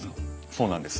そうなんです。